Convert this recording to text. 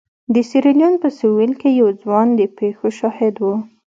د سیریلیون په سوېل کې یو ځوان د پېښو شاهد و.